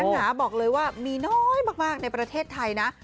หนาบอกเลยว่ามีน้อยมากในประเทศไทยนะ